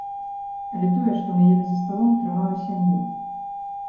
Але тое, што мы елі за сталом, трымала сям'ю.